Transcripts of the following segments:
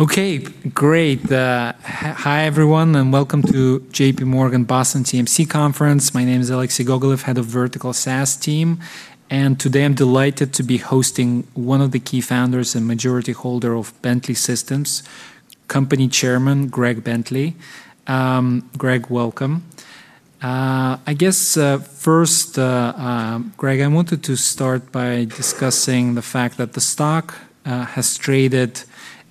Okay, great. Hi everyone, and welcome to JPMorgan Boston TMC Conference. My name is Alexei Gogolev, head of Vertical SaaS team, and today I'm delighted to be hosting one of the key founders and majority holder of Bentley Systems, Company Chairman Greg Bentley. Greg, welcome. I guess, first, Greg, I wanted to start by discussing the fact that the stock has traded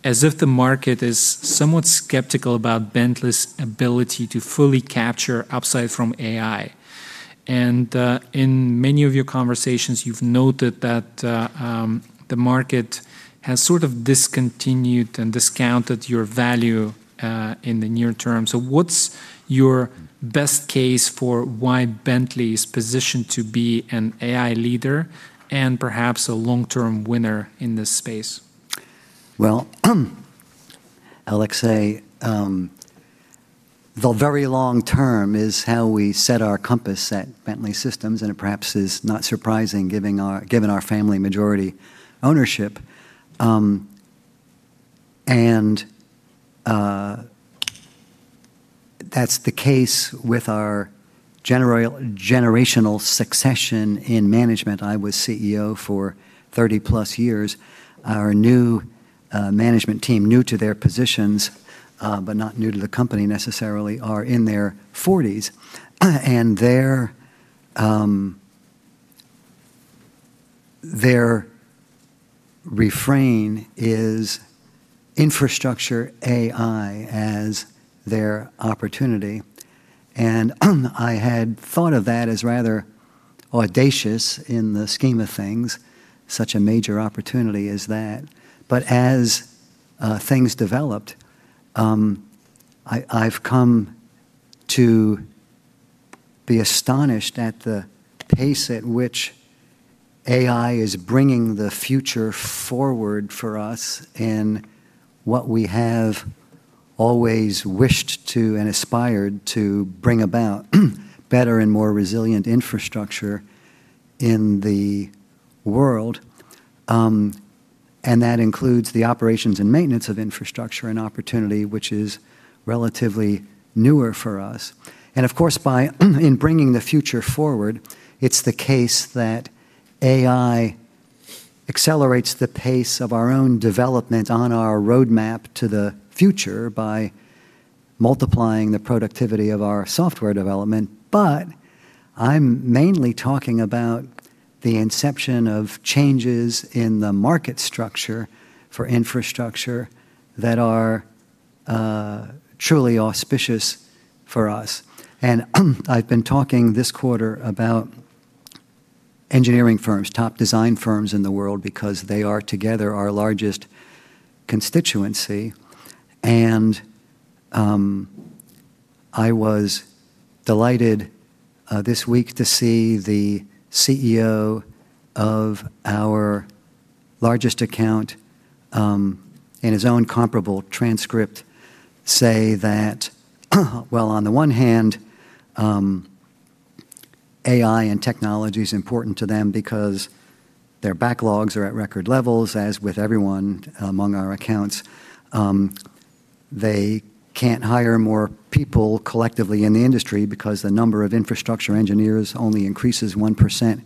as if the market is somewhat skeptical about Bentley's ability to fully capture upside from AI. In many of your conversations you've noted that the market has sort of discontinued and discounted your value in the near term. What's your best case for why Bentley is positioned to be an AI leader and perhaps a long-term winner in this space? Well, Alexei, the very long term is how we set our compass at Bentley Systems, it perhaps is not surprising given our family majority ownership. That's the case with our generational succession in management. I was CEO for 30+ years. Our new management team, new to their positions, but not new to the company necessarily, are in their 40s. Their refrain is infrastructure AI as their opportunity. I had thought of that as rather audacious in the scheme of things, such a major opportunity as that. As things developed, I've come to be astonished at the pace at which AI is bringing the future forward for us and what we have always wished to and aspired to bring about, better and more resilient infrastructure in the world. That includes the operations and maintenance of infrastructure and opportunity, which is relatively newer for us. Of course by bringing the future forward, it's the case that AI accelerates the pace of our own development on our roadmap to the future by multiplying the productivity of our software development. I'm mainly talking about the inception of changes in the market structure for infrastructure that are truly auspicious for us. I've been talking this quarter about engineering firms, top design firms in the world, because they are together our largest constituency. I was delighted this week to see the CEO of our largest account in his own comparable transcript say that, well, on the one hand, AI and technology's important to them because their backlogs are at record levels, as with everyone among our accounts. They can't hire more people collectively in the industry because the number of infrastructure engineers only increases 1%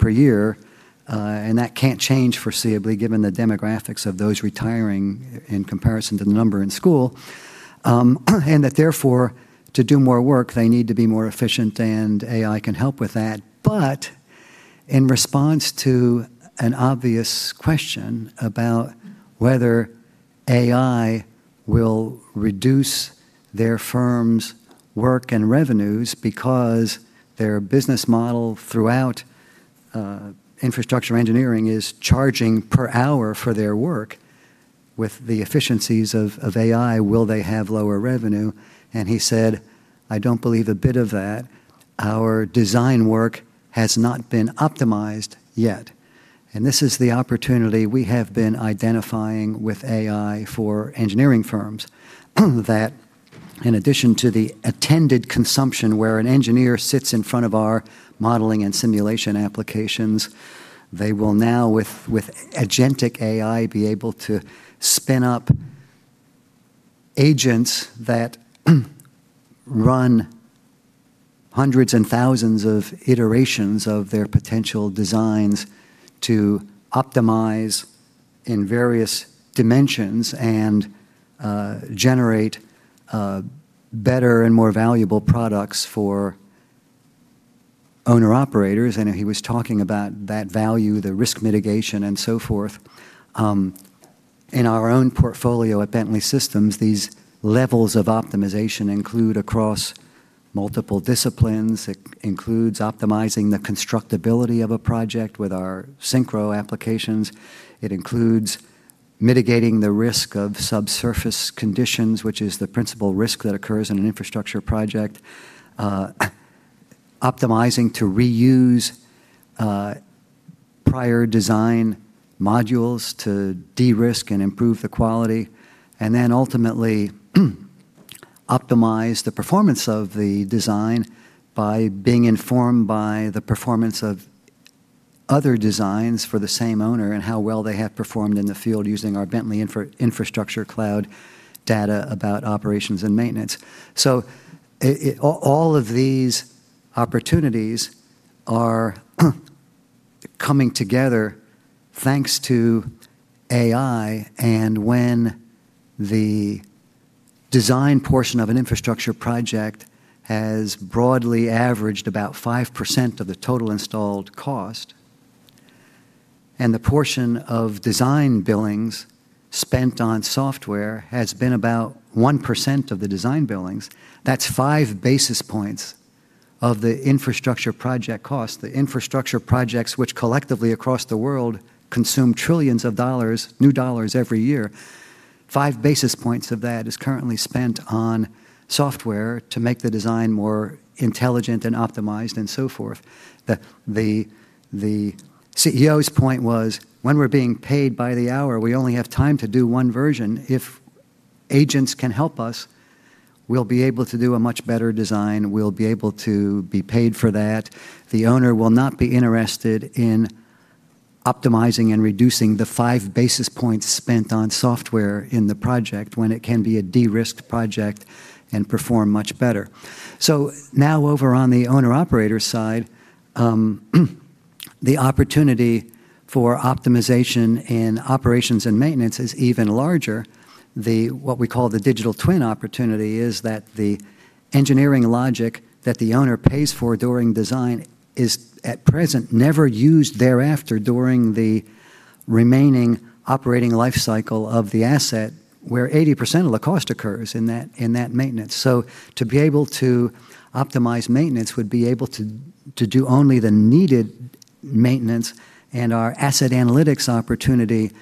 per year, and that can't change foreseeably given the demographics of those retiring in comparison to the number in school. That therefore to do more work, they need to be more efficient, and AI can help with that. In response to an obvious question about whether AI will reduce their firm's work and revenues because their business model throughout infrastructure engineering is charging per hour for their work, with the efficiencies of AI, will they have lower revenue? He said, "I don't believe a bit of that. Our design work has not been optimized yet. This is the opportunity we have been identifying with AI for engineering firms, that in addition to the attended consumption where an engineer sits in front of our modeling and simulation applications, they will now with agentic AI be able to spin up agents that run hundreds and thousands of iterations of their potential designs to optimize in various dimensions and generate better and more valuable products for owner-operators. I know he was talking about that value, the risk mitigation and so forth. In our own portfolio at Bentley Systems, these levels of optimization include across multiple disciplines. It includes optimizing the constructability of a project with our SYNCHRO applications. It includes mitigating the risk of subsurface conditions, which is the principal risk that occurs in an infrastructure project. Optimizing to reuse prior design modules to de-risk and improve the quality, and then ultimately optimize the performance of the design by being informed by the performance of other designs for the same owner and how well they have performed in the field using our Bentley Infrastructure Cloud data about operations and maintenance. All of these opportunities are coming together thanks to AI. When the design portion of an infrastructure project has broadly averaged about 5% of the total installed cost, and the portion of design billings spent on software has been about 1% of the design billings, that's five basis points of the infrastructure project cost. The infrastructure projects which collectively across the world consume trillions of dollars new dollars every year, five basis points of that is currently spent on software to make the design more intelligent and optimized and so forth. The CEO's point was, when we're being paid by the hour, we only have time to do one version. If agents can help us, we'll be able to do a much better design. We'll be able to be paid for that. The owner will not be interested in optimizing and reducing the five basis points spent on software in the project when it can be a de-risked project and perform much better. Now over on the owner/operator side, the opportunity for optimization in operations and maintenance is even larger. The, what we call the digital twin opportunity is that the engineering logic that the owner pays for during design is at present never used thereafter during the remaining operating life cycle of the asset, where 80% of the cost occurs in that maintenance. To be able to optimize maintenance would be able to do only the needed maintenance and our Asset Analytics opportunity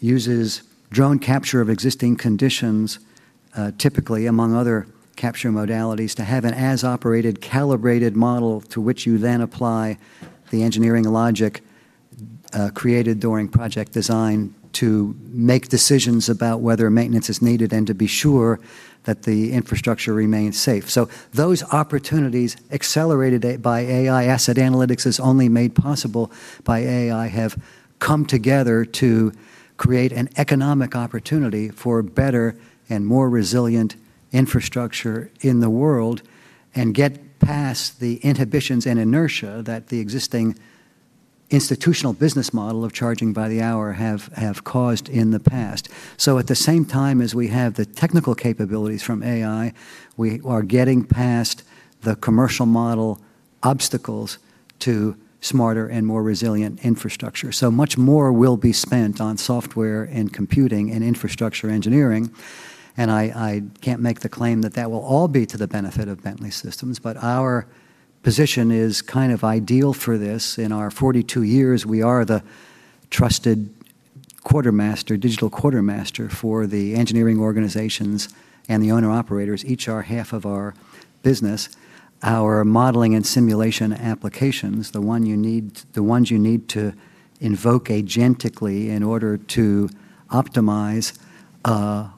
uses drone capture of existing conditions, typically among other capture modalities, to have an as-operated calibrated model to which you then apply the engineering logic created during project design to make decisions about whether maintenance is needed and to be sure that the infrastructure remains safe. Those opportunities accelerated by AI Asset Analytics is only made possible by AI, have come together to create an economic opportunity for better and more resilient infrastructure in the world and get past the inhibitions and inertia that the existing institutional business model of charging by the hour have caused in the past. At the same time as we have the technical capabilities from AI, we are getting past the commercial model obstacles to smarter and more resilient infrastructure. Much more will be spent on software and computing and infrastructure engineering, and I can't make the claim that that will all be to the benefit of Bentley Systems. Our position is kind of ideal for this. In our 42 years, we are the trusted quartermaster, digital quartermaster for the engineering organizations and the owner/operators, each our half of our business. Our modeling and simulation applications, the ones you need to invoke agentically in order to optimize, are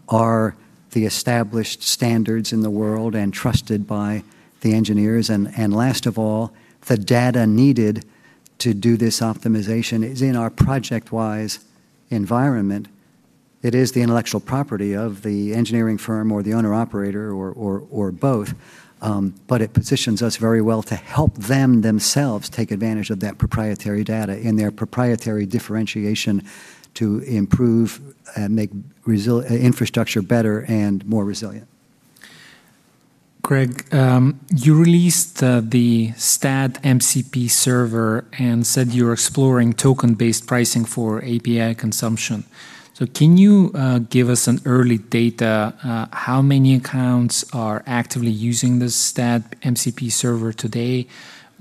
the established standards in the world and trusted by the engineers. Last of all, the data needed to do this optimization is in our ProjectWise environment. It is the intellectual property of the engineering firm or the owner/operator or both. It positions us very well to help them themselves take advantage of that proprietary data and their proprietary differentiation to improve and make infrastructure better and more resilient. Greg, you released the STAAD MCP server and said you're exploring token-based pricing for API consumption. Can you give us an early data, how many accounts are actively using this STAAD MCP server today?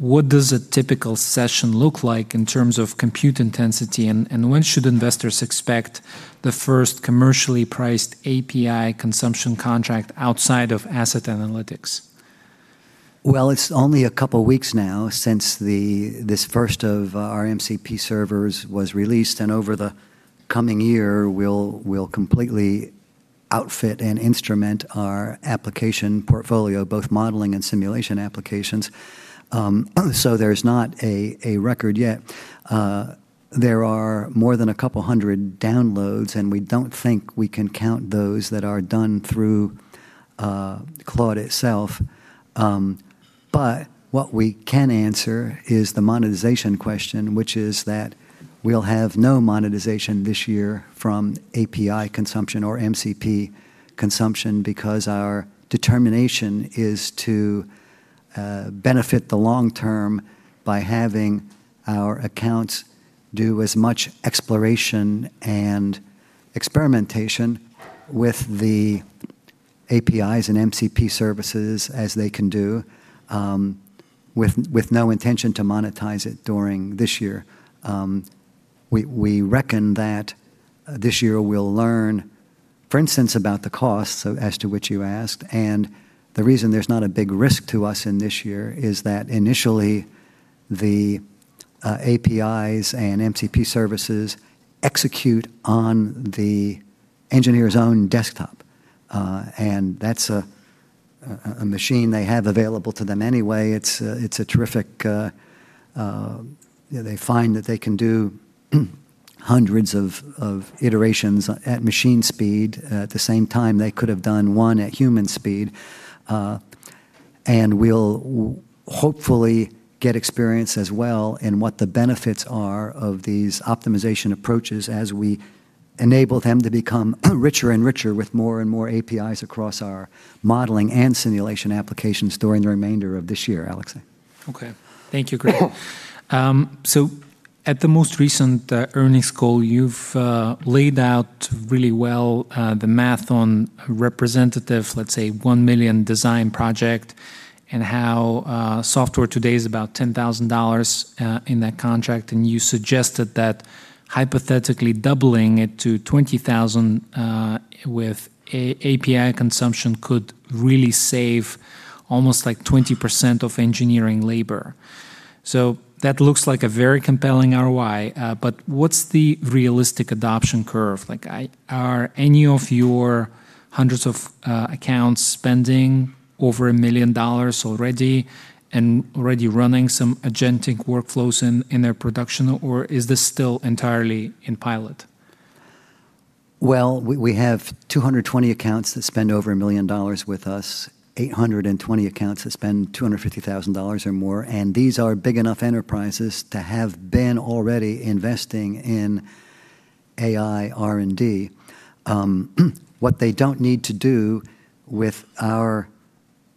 What does a typical session look like in terms of compute intensity? When should investors expect the first commercially priced API consumption contract outside of Asset Analytics? Well, it's only a couple weeks now since the, this first of our MCP servers was released, and over the coming year, we'll completely outfit and instrument our application portfolio, both modeling and simulation applications. There's not a record yet. There are more than a couple hundred downloads, and we don't think we can count those that are done through Claude itself. What we can answer is the monetization question, which is that we'll have no monetization this year from API consumption or MCP consumption because our determination is to benefit the long term by having our accounts do as much exploration and experimentation with the APIs and MCP services as they can do with no intention to monetize it during this year. We reckon that this year we'll learn, for instance, about the costs as to which you asked. The reason there's not a big risk to us in this year is that initially the APIs and MCP services execute on the engineer's own desktop. That's a machine they have available to them anyway. Yeah, they find that they can do hundreds of iterations at machine speed at the same time they could have done one at human speed. We'll hopefully get experience as well in what the benefits are of these optimization approaches as we enable them to become richer and richer with more and more APIs across our modeling and simulation applications during the remainder of this year, Alexei. Okay. Thank you, Greg. At the most recent earnings call, you've laid out really well the math on a representative, let's say, 1 million design project and how software today is about $10,000 in that contract. You suggested that hypothetically doubling it to $20,000 with API consumption could really save almost like 20% of engineering labor. That looks like a very compelling ROI. What's the realistic adoption curve? Like are any of your hundreds of accounts spending over $1 million already and already running some agentic workflows in their production, or is this still entirely in pilot? Well, we have 220 accounts that spend over $1 million with us, 820 accounts that spend $250,000 or more, and these are big enough enterprises to have been already investing in AI R&D. What they don't need to do with our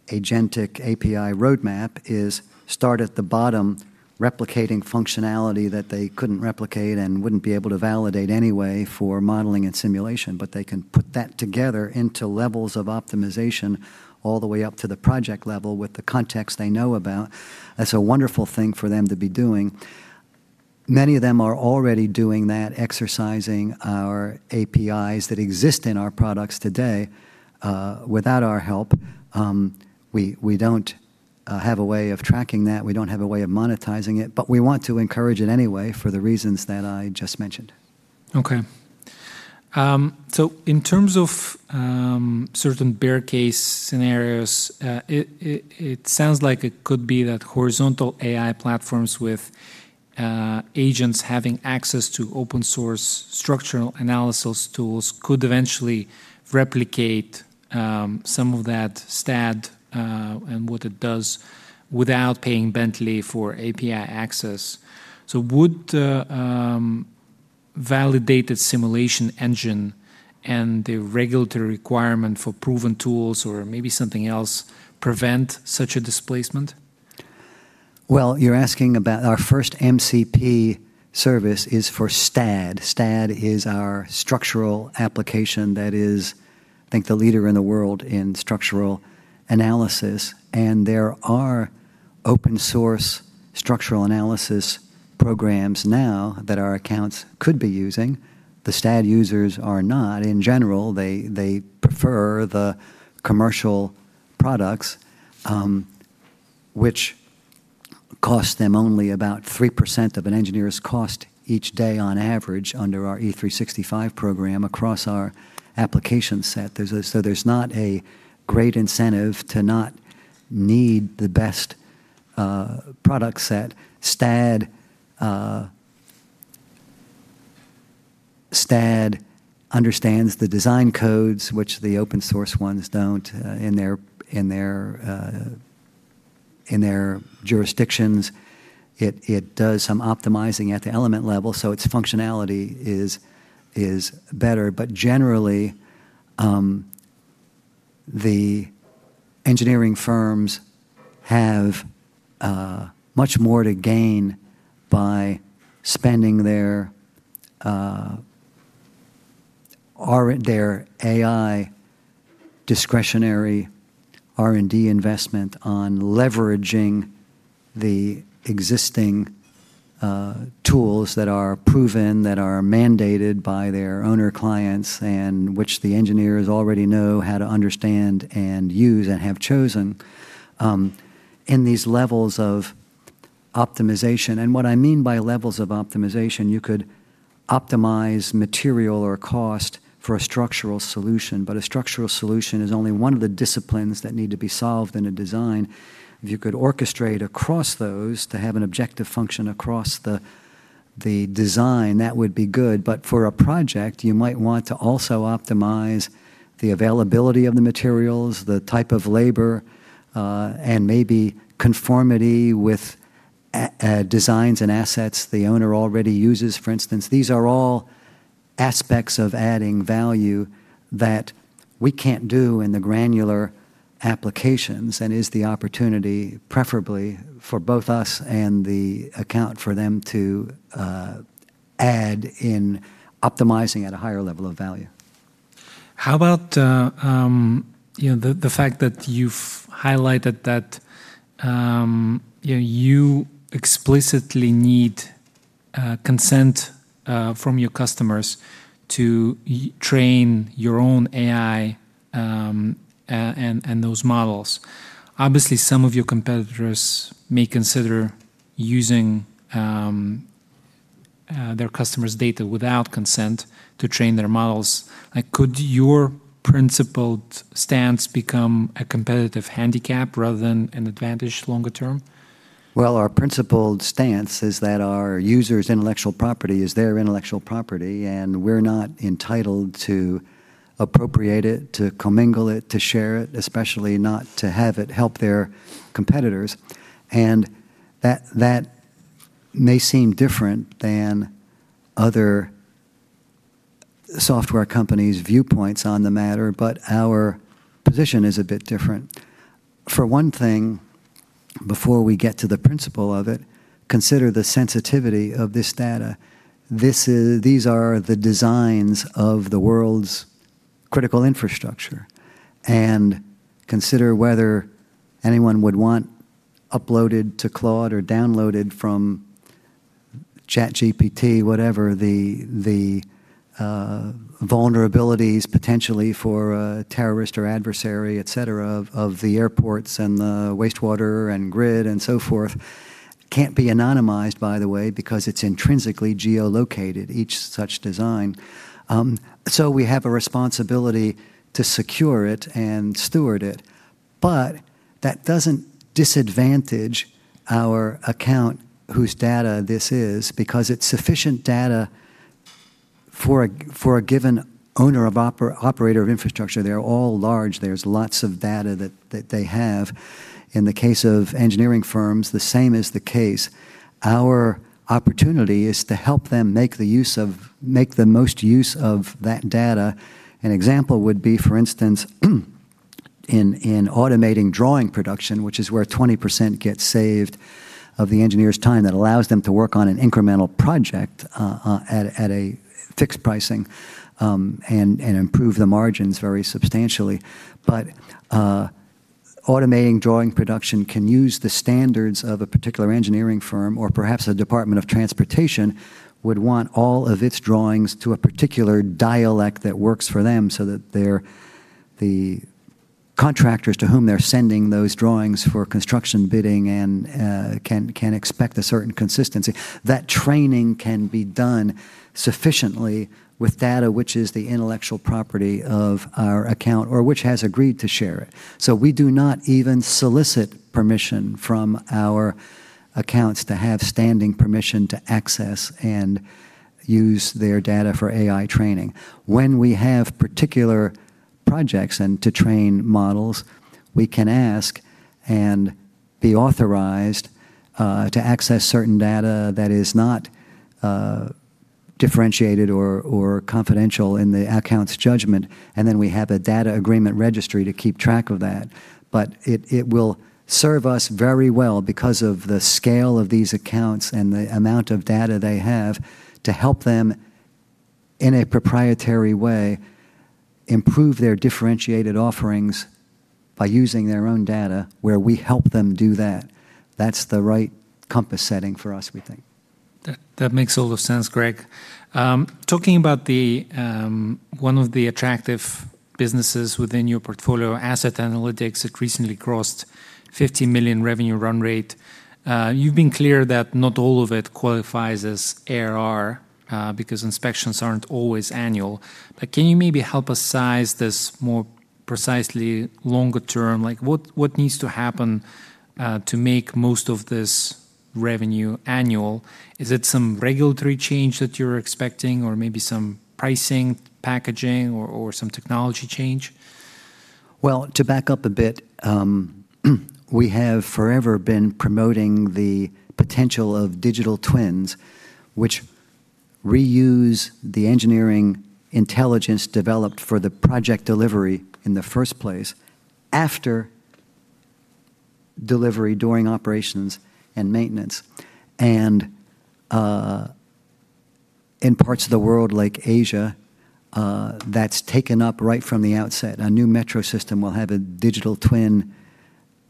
agentic API roadmap is start at the bottom replicating functionality that they couldn't replicate and wouldn't be able to validate anyway for modeling and simulation. They can put that together into levels of optimization all the way up to the project level with the context they know about. That's a wonderful thing for them to be doing. Many of them are already doing that, exercising our APIs that exist in our products today, without our help. We don't have a way of tracking that. We don't have a way of monetizing it, but we want to encourage it anyway for the reasons that I just mentioned. In terms of certain bear case scenarios, it sounds like it could be that horizontal AI platforms with agents having access to open source structural analysis tools could eventually replicate some of that STAAD and what it does without paying Bentley for API access. Would the validated simulation engine and the regulatory requirement for proven tools or maybe something else prevent such a displacement? Well, you're asking about our first MCP service is for STAAD. STAAD is our structural application that is, I think, the leader in the world in structural analysis, and there are open source structural analysis programs now that our accounts could be using. The STAAD users are not. In general, they prefer the commercial products, which cost them only about 3% of an engineer's cost each day on average under our E365 program across our application set. There's not a great incentive to not need the best product set. STAAD understands the design codes which the open source ones don't in their jurisdictions. It does some optimizing at the element level, so its functionality is better. Generally, the engineering firms have much more to gain by spending their AI discretionary R&D investment on leveraging the existing tools that are proven, that are mandated by their owner clients, and which the engineers already know how to understand and use and have chosen in these levels of optimization. What I mean by levels of optimization, you could optimize material or cost for a structural solution, but a structural solution is only one of the disciplines that need to be solved in a design. If you could orchestrate across those to have an objective function across the design, that would be good. For a project, you might want to also optimize the availability of the materials, the type of labor, and maybe conformity with designs and assets the owner already uses, for instance. These are all aspects of adding value that we can't do in the granular applications and is the opportunity preferably for both us and the account for them to add in optimizing at a higher level of value. How about, you know, the fact that you've highlighted that, you know, you explicitly need consent from your customers to train your own AI and those models? Obviously, some of your competitors may consider using their customers' data without consent to train their models. Like, could your principled stance become a competitive handicap rather than an advantage longer term? Well, our principled stance is that our users' intellectual property is their intellectual property, and we're not entitled to appropriate it, to commingle it, to share it, especially not to have it help their competitors. That may seem different than other software companies' viewpoints on the matter, but our position is a bit different. For one thing, before we get to the principle of it, consider the sensitivity of this data. These are the designs of the world's critical infrastructure. Consider whether anyone would want uploaded to Claude or downloaded from ChatGPT, whatever the vulnerabilities potentially for a terrorist or adversary, et cetera, of the airports and the wastewater and grid and so forth can't be anonymized, by the way, because it's intrinsically geo-located, each such design. We have a responsibility to secure it and steward it. That doesn't disadvantage our account whose data this is because it's sufficient data for a given owner of operator of infrastructure. They're all large. There's lots of data that they have. In the case of engineering firms, the same is the case. Our opportunity is to help them make the most use of that data. An example would be, for instance, in automating drawing production, which is where 20% gets saved of the engineer's time. That allows them to work on an incremental project at a fixed pricing and improve the margins very substantially. Automating drawing production can use the standards of a particular engineering firm, or perhaps a department of transportation would want all of its drawings to a particular dialect that works for them so that their the contractors to whom they're sending those drawings for construction bidding and can expect a certain consistency. That training can be done sufficiently with data which is the intellectual property of our account or which has agreed to share it. We do not even solicit permission from our accounts to have standing permission to access and use their data for AI training. When we have particular projects and to train models, we can ask and be authorized to access certain data that is not differentiated or confidential in the account's judgment, and then we have a data agreement registry to keep track of that. It will serve us very well because of the scale of these accounts and the amount of data they have to help them in a proprietary way improve their differentiated offerings by using their own data where we help them do that. That's the right compass setting for us, we think. That makes a lot of sense, Greg. Talking about the one of the attractive businesses within your portfolio, Asset Analytics, it recently crossed $50 million revenue run rate. You've been clear that not all of it qualifies as ARR because inspections aren't always annual. Can you maybe help us size this more precisely longer term? Like, what needs to happen to make most of this revenue annual? Is it some regulatory change that you're expecting or maybe some pricing, packaging or some technology change? Well, to back up a bit, we have forever been promoting the potential of digital twins, which reuse the engineering intelligence developed for the project delivery in the first place after delivery during operations and maintenance. In parts of the world like Asia, that's taken up right from the outset. A new metro system will have a digital twin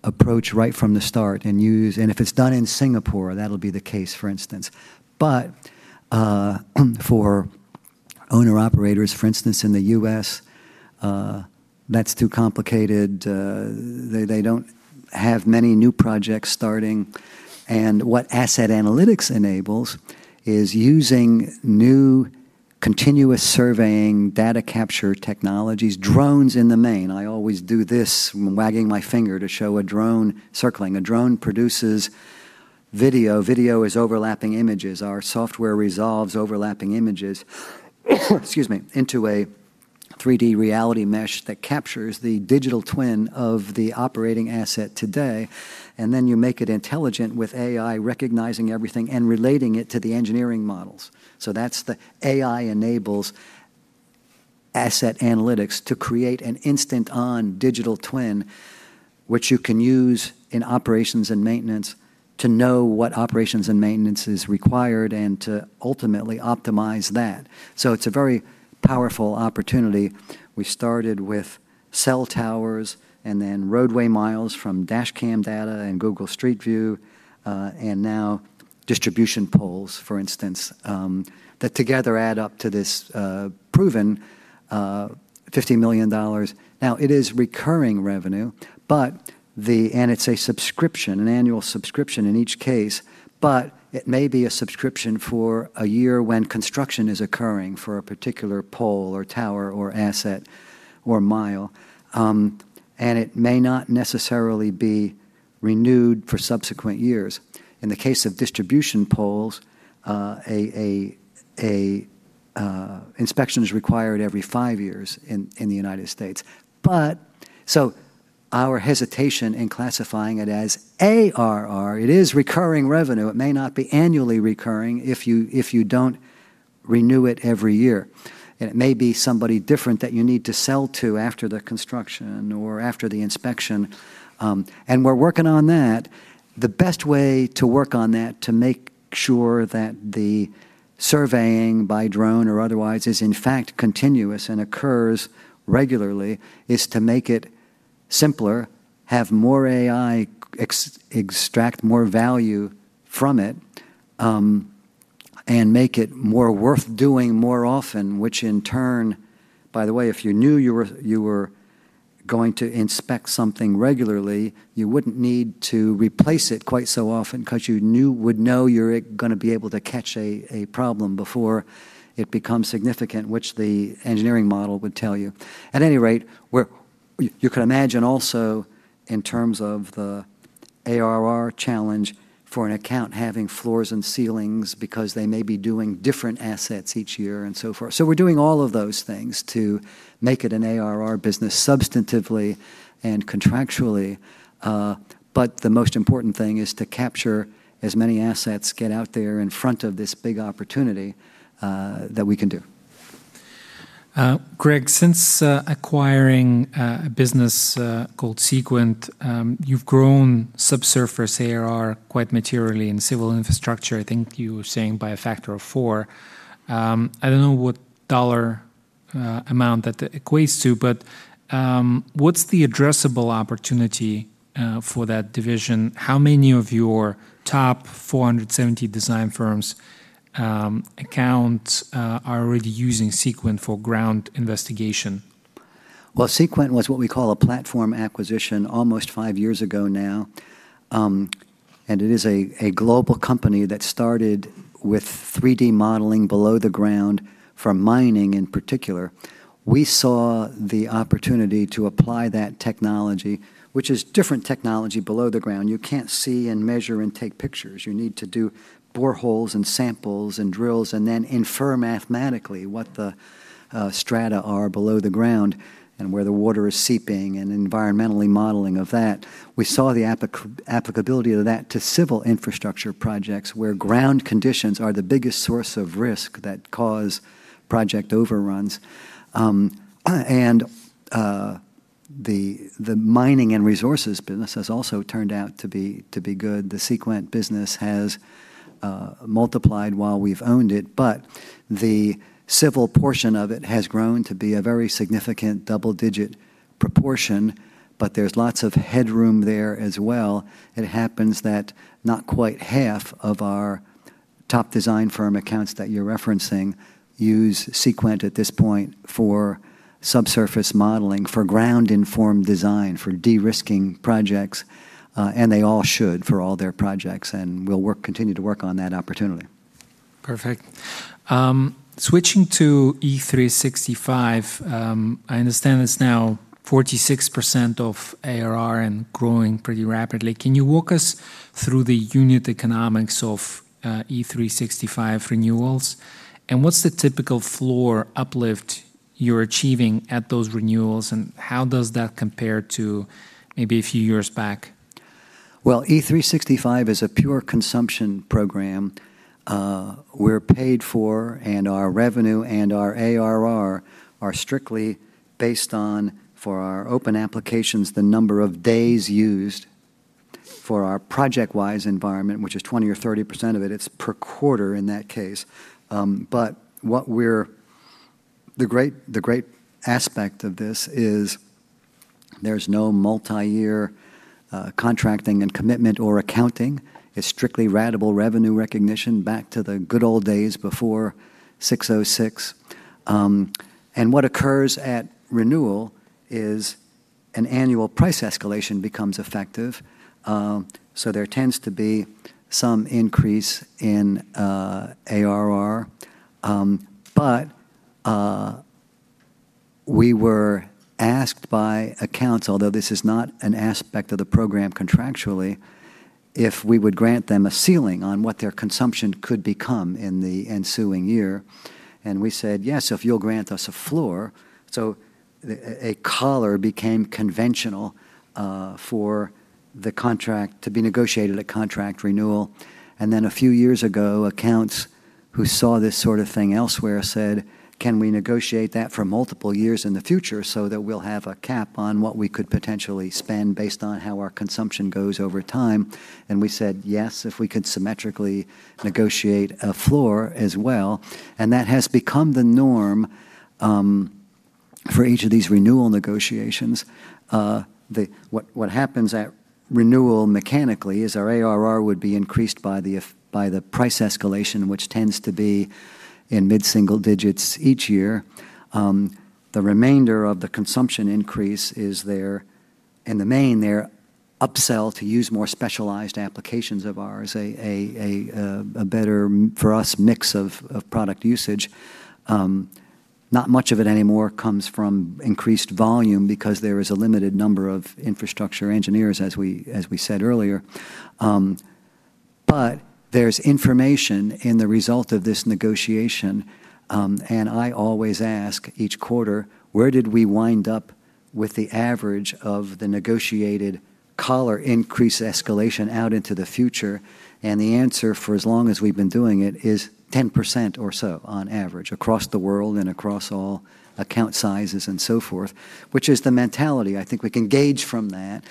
approach right from the start if it's done in Singapore, that'll be the case, for instance. For owner-operators, for instance, in the U.S., that's too complicated. They don't have many new projects starting. What Asset Analytics enables is using new continuous surveying data capture technologies, drones in the main. I always do this, wagging my finger to show a drone circling. A drone produces video. Video is overlapping images. Our software resolves overlapping images, excuse me, into a 3D reality mesh that captures the digital twin of the operating asset today, and then you make it intelligent with AI recognizing everything and relating it to the engineering models. That's the AI enables Asset Analytics to create an instant-on digital twin which you can use in operations and maintenance to know what operations and maintenance is required and to ultimately optimize that. It's a very powerful opportunity. We started with cell towers and then roadway miles from dashcam data and Google Street View, and now distribution poles, for instance, that together add up to this proven $50 million. It is recurring revenue, but it's a subscription, an annual subscription in each case, but it may be a subscription for one year when construction is occurring for one particular pole or one tower or one asset or one mile. It may not necessarily be renewed for subsequent years. In the case of distribution poles, an inspection is required every five years in the United States. Our hesitation in classifying it as ARR, it is recurring revenue. It may not be annually recurring if you don't renew it every year. It may be somebody different that you need to sell to after the construction or after the inspection. We're working on that. The best way to work on that to make sure that the surveying by drone or otherwise is in fact continuous and occurs regularly is to make it simpler, have more AI extract more value from it, and make it more worth doing more often, which in turn By the way, if you knew you were, you were going to inspect something regularly, you wouldn't need to replace it quite so often because you would know you're gonna be able to catch a problem before it becomes significant, which the engineering model would tell you. At any rate, You can imagine also in terms of the ARR challenge for an account having floors and ceilings because they may be doing different assets each year and so forth. We're doing all of those things to make it an ARR business substantively and contractually. The most important thing is to capture as many assets, get out there in front of this big opportunity, that we can do. Greg, since acquiring a business called Seequent, you've grown subsurface quite materially in civil infrastructure. I think you were saying by a factor of four. I don't know what dollar amount that equates to, but what's the addressable opportunity for that division? How many of your top 470 design firms accounts are already using Seequent for ground investigation? Well, Seequent was what we call a platform acquisition almost five years ago now. It is a global company that started with 3D modeling below the ground for mining in particular. We saw the opportunity to apply that technology, which is different technology below the ground. You can't see and measure and take pictures. You need to do boreholes and samples and drills, and then infer mathematically what the strata are below the ground and where the water is seeping and environmentally modeling of that. We saw the applicability of that to civil infrastructure projects where ground conditions are the biggest source of risk that cause project overruns. The mining and resources business has also turned out to be good. The Seequent business has multiplied while we've owned it, but the civil portion of it has grown to be a very significant double-digit proportion, but there's lots of headroom there as well. It happens that not quite half of our top design firm accounts that you're referencing use Seequent at this point for subsurface modeling, for ground-informed design, for de-risking projects, and they all should for all their projects, and we'll continue to work on that opportunity. Perfect. Switching to E365, I understand it's now 46% of ARR and growing pretty rapidly. Can you walk us through the unit economics of E365 renewals? What's the typical floor uplift you're achieving at those renewals, and how does that compare to maybe a few years back? Well, E365 is a pure consumption program. We're paid for and our revenue and our ARR are strictly based on, for our open applications, the number of days used for our ProjectWise environment, which is 20% or 30% of it. It's per quarter in that case. The great aspect of this is there's no multi-year contracting and commitment or accounting. It's strictly ratable revenue recognition back to the good old days before 606. What occurs at renewal is an annual price escalation becomes effective. There tends to be some increase in ARR. We were asked by accounts, although this is not an aspect of the program contractually, if we would grant them a ceiling on what their consumption could become in the ensuing year. We said, "Yes, if you'll grant us a floor." A collar became conventional for the contract to be negotiated at contract renewal. A few years ago, accounts who saw this sort of thing elsewhere said, "Can we negotiate that for multiple years in the future so that we'll have a cap on what we could potentially spend based on how our consumption goes over time?" We said, "Yes, if we could symmetrically negotiate a floor as well." That has become the norm for each of these renewal negotiations. What happens at renewal mechanically is our ARR would be increased by the price escalation, which tends to be in mid-single digits each year. The remainder of the consumption increase is there in the main, they're upsell to use more specialized applications of ours, a better mix of product usage. Not much of it anymore comes from increased volume because there is a limited number of infrastructure engineers as we said earlier. There's information in the result of this negotiation. I always ask each quarter, where did we wind up with the average of the negotiated collar increase escalation out into the future? The answer for as long as we've been doing it is 10% or so on average across the world and across all account sizes and so forth, which is the mentality. I think we can gauge from that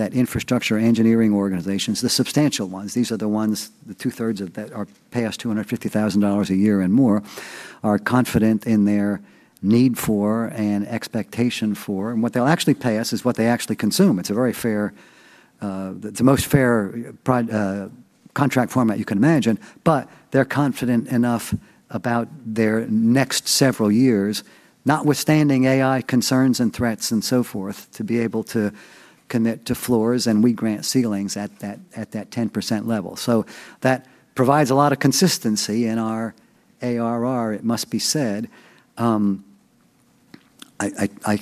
infrastructure engineering organizations, the substantial ones, these are the ones, the two-thirds of that pay us $250,000 a year and more, are confident in their need for and expectation for, and what they'll actually pay us is what they actually consume. It's a very fair, the most fair contract format you can imagine. They're confident enough about their next several years, notwithstanding AI concerns and threats and so forth, to be able to commit to floors, and we grant ceilings at that, at that 10% level. That provides a lot of consistency in our ARR, it must be said. I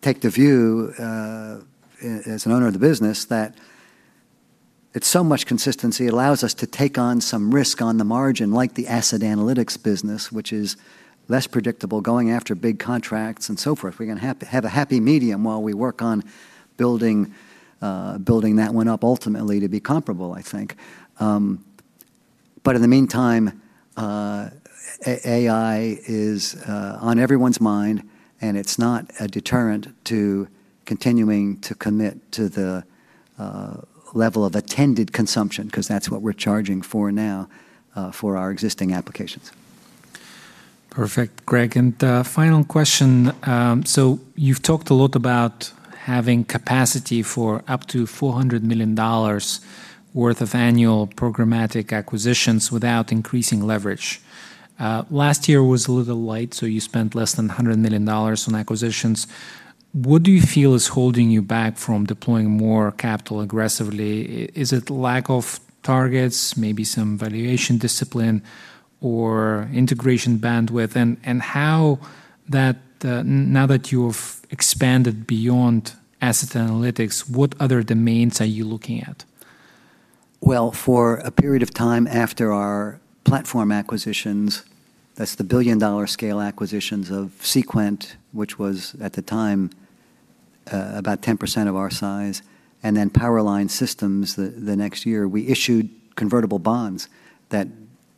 take the view as an owner of the business that it's so much consistency, it allows us to take on some risk on the margin, like the Asset Analytics business, which is less predictable, going after big contracts and so forth. We're gonna have a happy medium while we work on building that one up ultimately to be comparable, I think. In the meantime, AI is on everyone's mind, and it's not a deterrent to continuing to commit to the level of attended consumption, 'cause that's what we're charging for now for our existing applications. Perfect, Greg. Final question. You've talked a lot about having capacity for up to $400 million worth of annual programmatic acquisitions without increasing leverage. Last year was a little light, you spent less than $100 million on acquisitions. Is it lack of targets, maybe some valuation discipline or integration bandwidth? How that, now that you've expanded beyond Asset Analytics, what other domains are you looking at? For a period of time after our platform acquisitions, that's the billion-dollar scale acquisitions of Seequent, which was at the time, about 10% of our size, and then Power Line Systems the next year, we issued convertible bonds that,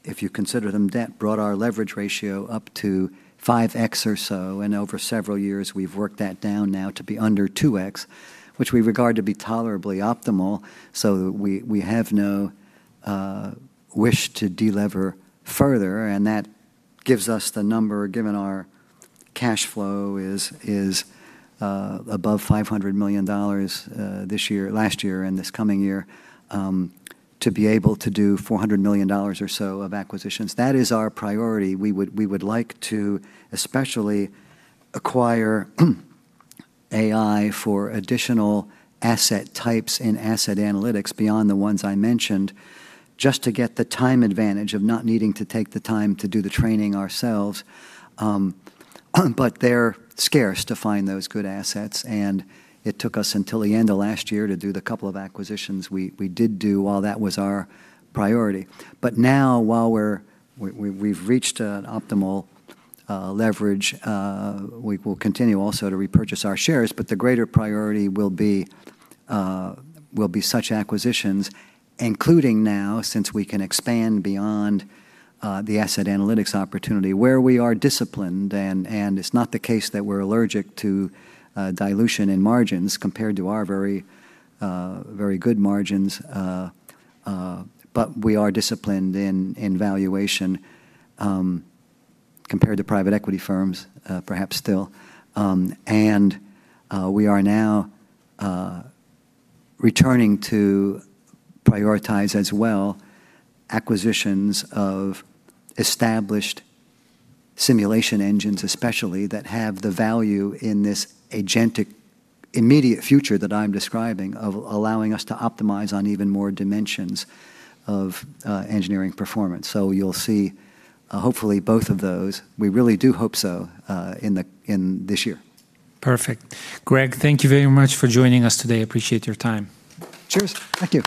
if you consider them debt, brought our leverage ratio up to 5x or so, and over several years, we've worked that down now to be under 2x, which we regard to be tolerably optimal, so we have no wish to delever further, and that gives us the number, given our cash flow is above $500 million this year, last year and this coming year, to be able to do $400 million or so of acquisitions. That is our priority. We would like to especially acquire AI for additional asset types and Asset Analytics beyond the ones I mentioned, just to get the time advantage of not needing to take the time to do the training ourselves. They're scarce to find those good assets, and it took us until the end of last year to do the couple of acquisitions we did do while that was our priority. Now, while we've reached an optimal leverage, we will continue also to repurchase our shares, but the greater priority will be such acquisitions, including now, since we can expand beyond the Asset Analytics opportunity, where we are disciplined and it's not the case that we're allergic to dilution in margins compared to our very good margins. We are disciplined in valuation compared to private equity firms, perhaps still. We are now returning to prioritize as well acquisitions of established simulation engines, especially that have the value in this agentic immediate future that I'm describing of allowing us to optimize on even more dimensions of engineering performance. You'll see hopefully both of those, we really do hope so, in this year. Perfect. Greg, thank you very much for joining us today. Appreciate your time. Cheers. Thank you.